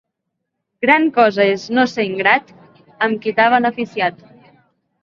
Gran cosa és no ser ingrat amb qui t'ha beneficiat.